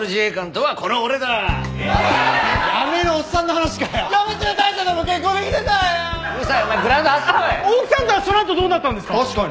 奥さんとはその後どうなったんですか？